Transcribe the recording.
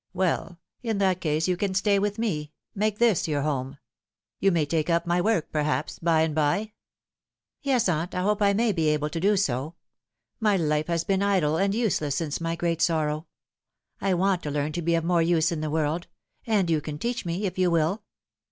Well, in that case you can stay with me make this your home. You may take up my work, perhaps by and by." " Yes, aunt, I hope I may be able to do so. My life has been idle and useless since my great sorrow. I want to learn to be of more use in the world ; and you can teach me, if you will."